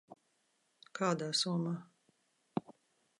Kādā somā?